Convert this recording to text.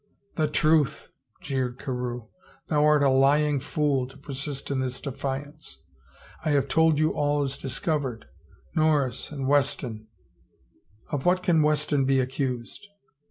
" The truth !" jeered Carewe. " Thou art a lying fool to persist in this defiance. I have told you all is discovered. Norris and Weston —" "Of what can Weston be accused?"